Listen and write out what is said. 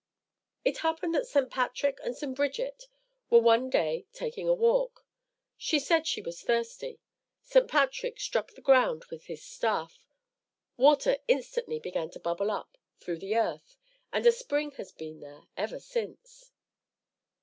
It happened that St. Patrick and St. Bridget were one day taking a walk. She said she was thirsty. St. Patrick struck the ground with his staff. Water instantly began to bubble up through the earth, and a spring has been there ever since.